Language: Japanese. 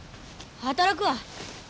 働くわ。